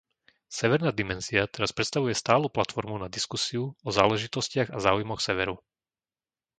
Severná dimenzia teraz predstavuje stálu platformu na diskusiu o záležitostiach a záujmoch severu.